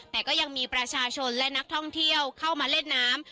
แต่ก็ยังมีประชาชนและนักท่องเที่ยวเข้ามาเล่นน้ำ